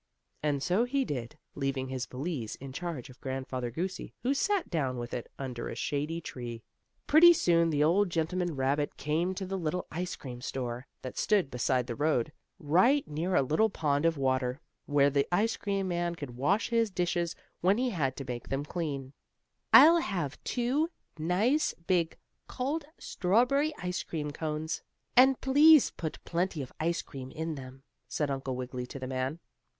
And go he did, leaving his valise in charge of Grandfather Goosey, who sat down with it, under a shady tree. Pretty soon the old gentleman rabbit came to a little ice cream store, that stood beside the road, right near a little pond of water, where the ice cream man could wash his dishes when he had to make them clean. "I'll have two, nice, big, cold strawberry ice cream cones, and please put plenty of ice cream in them," said Uncle Wiggily to the man.